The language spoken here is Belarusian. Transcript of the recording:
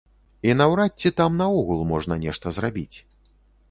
І наўрад ці там наогул можна нешта зрабіць.